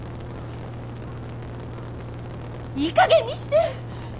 いいかげんにして！